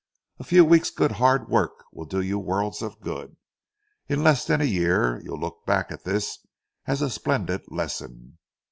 A few weeks' good hard work will do you worlds of good. In less than a year, you'll look back at this as a splendid lesson.